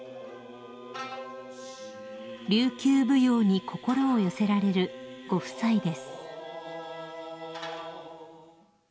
［琉球舞踊に心を寄せられるご夫妻です］